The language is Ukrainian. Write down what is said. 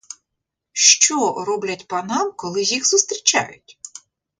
Що роблять панам, коли їх зустрічають?